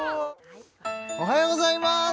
おはようございます